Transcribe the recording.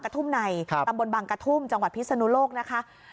ตำบลบางกระทุ่มจังหวัดพิษณุโลกนะคะ